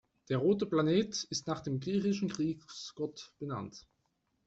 Der rote Planet ist nach dem griechischen Kriegsgott benannt.